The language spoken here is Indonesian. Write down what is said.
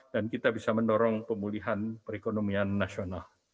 dan kita bisa mendorong pemulihan perekonomian nasional